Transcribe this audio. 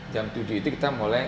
jam tujuh itu kita mulai